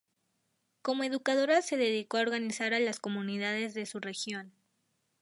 Como educadora se dedicó a organizar a las comunidades de su región.